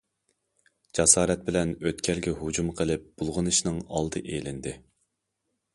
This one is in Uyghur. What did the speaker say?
جاسارەت بىلەن ئۆتكەلگە ھۇجۇم قىلىپ، بۇلغىنىشنىڭ ئالدى ئېلىندى.